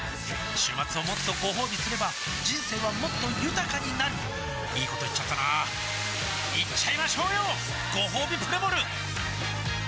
週末をもっとごほうびすれば人生はもっと豊かになるいいこと言っちゃったなーいっちゃいましょうよごほうびプレモル